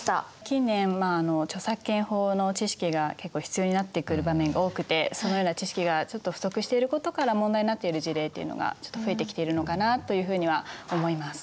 近年まあ著作権法の知識が結構必要になってくる場面が多くてそのような知識がちょっと不足していることから問題になっている事例というのがちょっと増えてきているのかなというふうには思います。